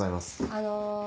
あの。